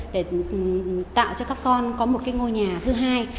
để tạo cho các con có một cái ngôi nhà thứ hai